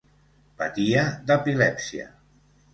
Patia d'epilèpsia.